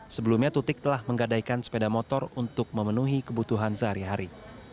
sebelumnya tutik telah menggadaikan sepeda motor untuk memenuhi kebutuhan sehari hari